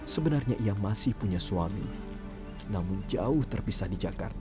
sebenarnya ia masih punya suami namun jauh terpisah di jakarta